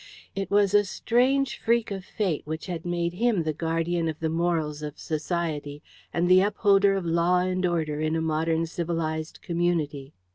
It was a strange freak of Fate which had made him the guardian of the morals of society and the upholder of law and order in a modern civilized community.